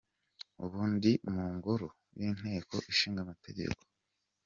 Ubu ndi mu ngoro y’Inteko Ishinga Amategeko.